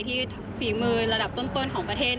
ฝีมือระดับต้นของประเทศ